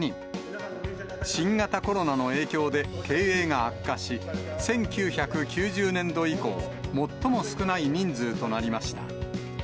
新型コロナの影響で経営が悪化し、１９９０年度以降、最も少ない人数となりました。